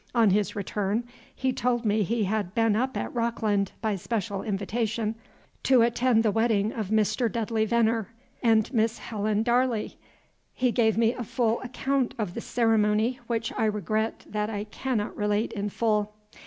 On his return, he told me he had been up at Rockland, by special invitation, to attend the wedding of Mr. Dudley Venner and Miss Helen Darley. He gave me a full account of the ceremony, which I regret that I cannot relate in full.